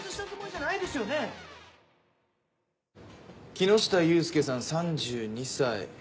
木下裕介さん３２歳。